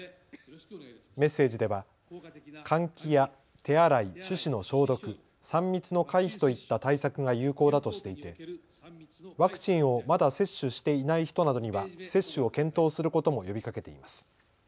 メッセージでは換気や手洗い、手指の消毒、３密の回避といった対策が有効だとしていてワクチンをまだ接種していない人などには接種を検討することも呼びかけています。